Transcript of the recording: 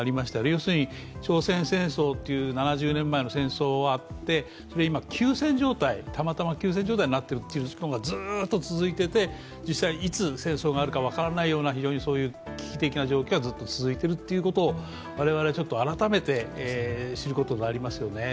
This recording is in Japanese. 要するに、朝鮮戦争という７０年前の戦争があってそれで今、たまたま休戦状態になっているというのがずっと続いていて、実際、いつ戦争があるか分からないような非常に危機的な状況がずっと続いていることを我々、改めて知ることがありますよね。